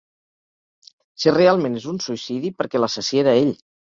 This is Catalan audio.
Si realment és un suïcidi perquè l'assassí era ell.